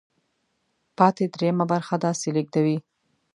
پاتې درېیمه برخه داسې لیږدوي.